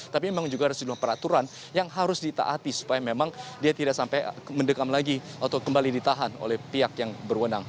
tapi memang juga ada sejumlah peraturan yang harus ditaati supaya memang dia tidak sampai mendekam lagi atau kembali ditahan oleh pihak yang berwenang